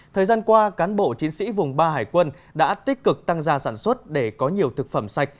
thời gian qua cán bộ chiến sĩ vùng ba hải quân đã tích cực tăng ra sản xuất để có nhiều thực phẩm sạch